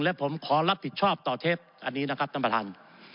และผมขอรับผิดชอบต่อเทปอันนี้นะครับท่านประธาน